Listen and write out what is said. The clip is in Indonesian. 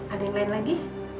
ada yang lain lagi